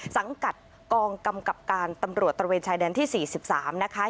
สังกัดกองกำกับการตำรวจตระเวนชายแดนที่๔๓นะคะ